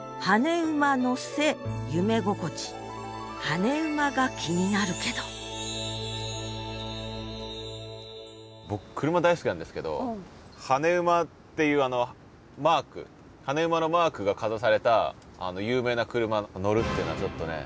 「跳ね馬」が気になるけど僕車大好きなんですけど跳ね馬っていうあのマーク跳ね馬のマークがかざされた有名な車に乗るっていうのはちょっとね